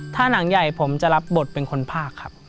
ถ้าหนังใหญ่ผมจะรับบทเป็นคนภาคครับ